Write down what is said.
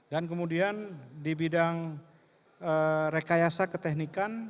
dan kemudian di bidang rekayasa keteknikan